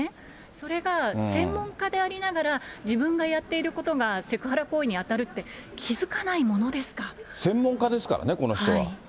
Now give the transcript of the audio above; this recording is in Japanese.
それが専門家でありながら、自分がやっていることがセクハラ行為に当たるって気付かないもの専門家ですからね、この人は。